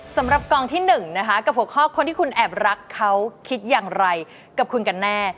สำหรับกองที่๑นะคะกับหัวข้อคนที่คุณแอบรักเขาคิดอย่างไรกับคุณกันแน่